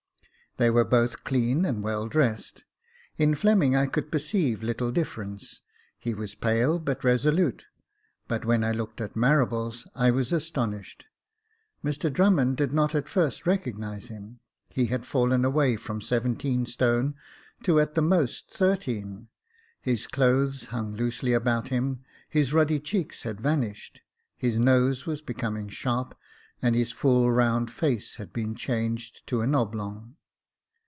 They were both clean and well dressed. In Fleming I could perceive little difference ; he was pale, but resolute : but when I looked at Marables, I was astonished. Mr Drummond did not at first re cognise him; — he had fallen away from seventeen stone to, at the most, thirteen — his clothes hung loosely about him — his ruddy cheeks had vanished — his nose was becoming sharp, and his full round face had been changed to an oblong.